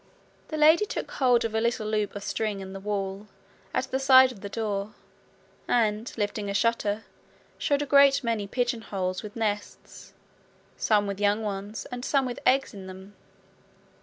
The lady took hold of a little loop of string in the wall at the side of the door and, lifting a shutter, showed a great many pigeon holes with nests, some with young ones and some with eggs in them.